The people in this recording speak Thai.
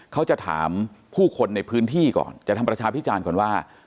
เขาจะถามผู้คนในพื้นที่ก่อนจะทำประชาพิจารณ์ก่อนว่า